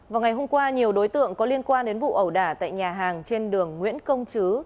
vào ngày hôm qua nhiều đối tượng có liên quan đến vụ ẩu đả tại nhà hàng trên đường nguyễn công chứ